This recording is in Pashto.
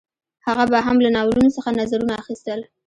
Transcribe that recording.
هغه به هم له ناولونو څخه نظرونه اخیستل